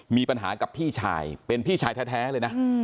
มีปัญหากับพี่ชายเป็นพี่ชายแท้เลยนะ